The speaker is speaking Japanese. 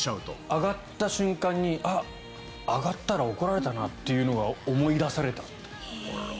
上がった瞬間に上がったら怒られたなというのが思い出されたっていう。